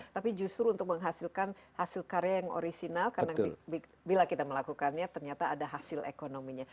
tapi justru untuk menghasilkan hasil karya yang orisinal karena bila kita melakukannya ternyata ada hasil ekonominya